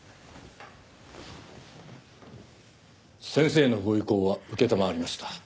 先生のご意向は承りました。